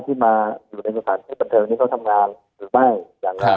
ที่มาอยู่ในประเทศที่เขาทำงานหรือไม่อย่างไร